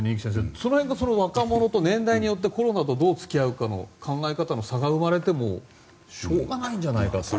その辺が若者と年代によってコロナとどう付き合うかの考え方の差が生まれてもしょうがないんじゃないかという。